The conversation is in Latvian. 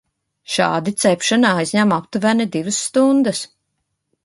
Šādi cepšana aizņem aptuveni divas stundas.